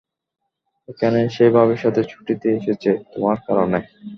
এখানে সে ভাবির সাথে ছুটিতে এসেছে, তোমার কারনে।